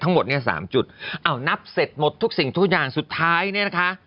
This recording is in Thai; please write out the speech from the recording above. ทั้งหมดเนี่ยสามจุดเอานับเสร็จหมดทุกสิ่งทุกอย่างสุดท้ายเนี่ยนะคะ